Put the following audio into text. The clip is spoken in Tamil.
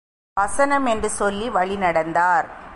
வசனம் என்று சொல்லி வழிநடந்தார்.